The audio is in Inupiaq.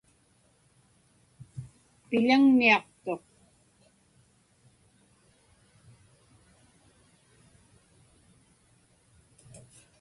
Piḷaŋniaqtuq.